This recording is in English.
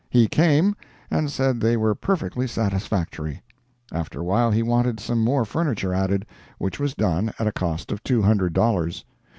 He came, and said they were perfectly satisfactory. After a while he wanted some more furniture added—which was done, at a cost of two hundred dollars.